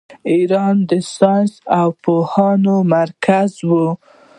ایران د ساینس او پوهې مرکز و.